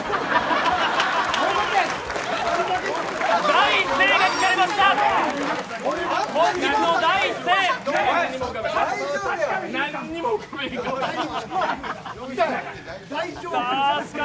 第一声が聞かれました。